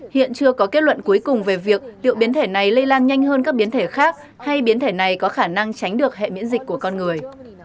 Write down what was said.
hiện chưa có kết luận cuối cùng về việc liệu biến thể này lây lan nhanh hơn các biến thể khác hay biến thể này có khả năng tránh được hệ miễn dịch của con người